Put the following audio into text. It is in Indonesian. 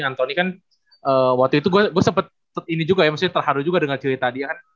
antoni kan waktu itu gue sempet ini juga ya maksudnya terharu juga dengan cerita dia kan